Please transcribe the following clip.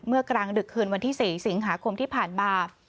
กลางดึกคืนวันที่๔สิงหาคมที่ผ่านมา